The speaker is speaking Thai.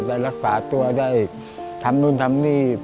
รักษาตัวได้ทำนู่นทำนี่